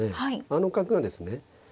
あの角がですね